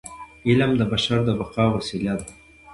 علم د بشر د بقاء وسیله ده.